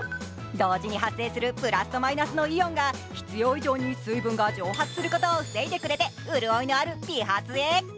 同時に発生するプラスとマイナスのイオンが必要以上に水分が蒸発することを防いでくれて潤いのある美髪へ。